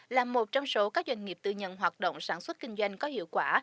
là một trong số các doanh nghiệp tư nhân hoạt động sản xuất kinh doanh có hiệu quả